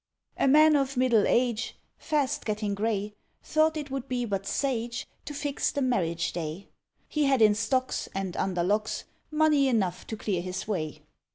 A Man of middle age, Fast getting grey, Thought it would be but sage To fix the marriage day. He had in stocks, And under locks, Money enough to clear his way.